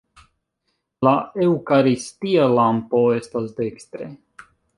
La eŭkaristia lampo estas dekstre.